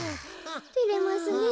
てれますねえ。